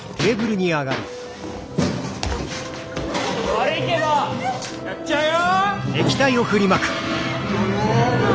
悪いけどやっちゃうよ。